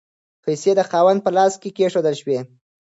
پیسې د خاوند په لاس کې کیښودل شوې.